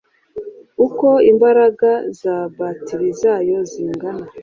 uko imbaraga za batiri zayo zingana